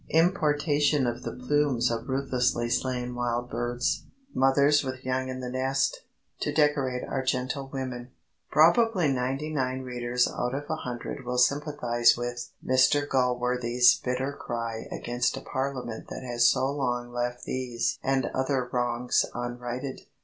Importation of the plumes of ruthlessly slain wild birds, mothers with young in the nest, to decorate our gentlewomen. Probably ninety nine readers out of a hundred will sympathise with Mr Galsworthy's bitter cry against a Parliament that has so long left these and other wrongs unrighted.